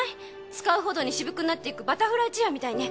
使うほどに渋くなっていくバタフライチェアみたいね。